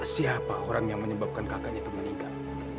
siapa orang yang menyebabkan kakaknya itu meninggal